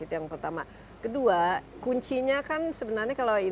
untuk mendes segala kualitas bagi menguntungkan tangan kita dengan saluran lama